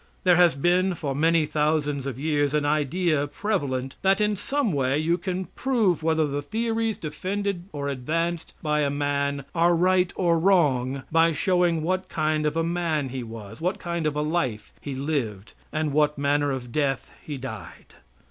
There has been for many thousands of years an idea prevalent that in some way you can prove whether the theories defended or advanced by a man are right or wrong by showing what kind of a man he was, what kind of a life he lived, and what manner of death he died.